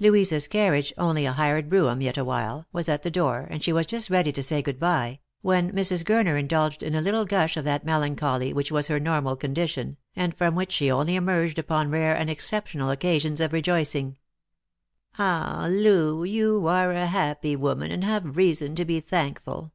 Louisa's carriage — only a hired brougham yet awhile — was at the door, and she was just ready to say " Good bye," when Mrs. Gurner indulged in a little gush of that melancholy which was her normal condition, and from which she only emerged upon rare and exceptional occasions of rejoicing. Lost for Love. 371 " Ah, Loo, you are a happy woman, and have reason to be thankful!